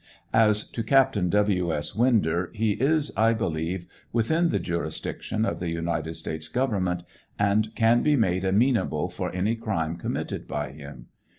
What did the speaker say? As to Captain W. 8. Winder, he is, I believe, within the jurisdiction of the United States government, and can be made amenable for any crime committed by him.